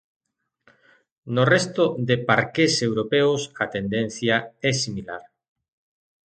No resto de parqués europeos a tendencia é similar.